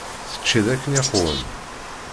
Teččiḍ akken iqwem?